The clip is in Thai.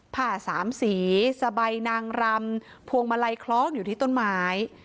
ผ้าสามสีสบายนางรำพวงมาลัยคล้องอยู่ที่ต้นไม้